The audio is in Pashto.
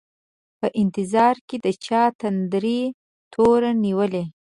په انتظار کي د چا دتندري تور نیولي